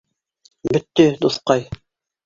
Бөттө, дуҫҡай!